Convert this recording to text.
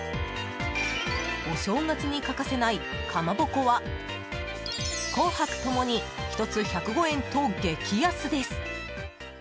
お正月に欠かせない、かまぼこは紅白共に１つ１０５円と激安です。